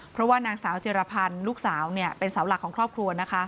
เพราะว่านางสาวเจรพรลูกสาวเป็นสาวหลักของครอบครัว